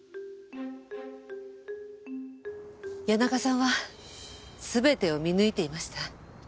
谷中さんは全てを見抜いていました。